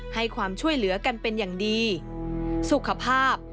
ให้ความช่วยเหลือกันเป็นอย่างดีสุขภาพ